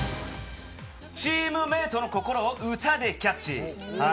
チームメートの心を歌でキャッチ。